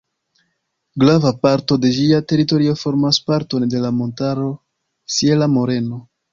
Grava parto de ĝia teritorio formas parton de la montaro Sierra Morena.